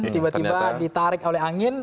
tiba tiba ditarik oleh angin